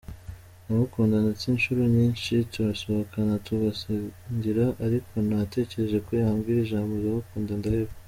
Ndamukunda ndetse inshuro nyinshi turasohokana tugasangira ariko nategereje ko yambwira ijambo ‘Ndagukunda’ ndaheba.